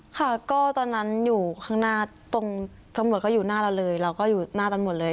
ค่ะก็ตอนนั้นอยู่ข้างหน้าตรงตำรวจก็อยู่หน้าเราเลยเราก็อยู่หน้ากันหมดเลย